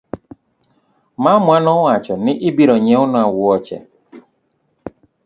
Mamwa nowacho ni obiro nyiewna wuoche .